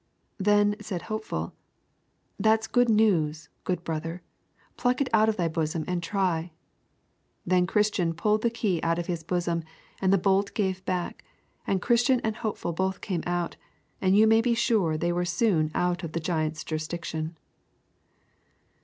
Then said Hopeful: "That's good news, good brother; pluck it out of thy bosom and try."' Then Christian pulled the key out of his bosom and the bolt gave back, and Christian and Hopeful both came out, and you may be sure they were soon out of the giant's jurisdiction.